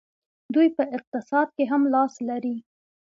دوی په اقتصاد کې هم لاس لري.